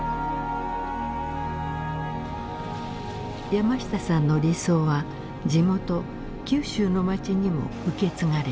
山下さんの理想は地元九州の町にも受け継がれています。